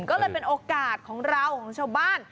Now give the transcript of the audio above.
ก็เลยเป็นโอกาสของเราของชาวบ้าน